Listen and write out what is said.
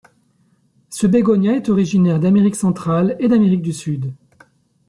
Ce bégonia est originaire d'Amérique centrale et d'Amérique du Sud.